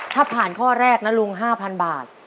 ถ้าผ่านข้อแรกนะลุง๕๐๐บาท